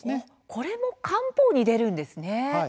これも官報に出るんですね。